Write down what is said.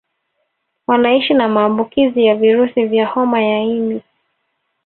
Wanaishi na maambukizi ya virusi vya homa ya ini